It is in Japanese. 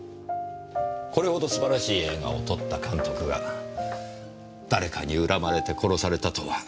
これほど素晴らしい映画を撮った監督が誰かに恨まれて殺されたとは。